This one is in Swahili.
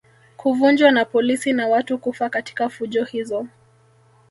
Kuvunjwa na polisi na watu kufa katika fujo hizo